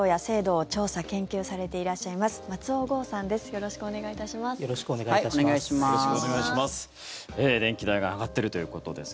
よろしくお願いします。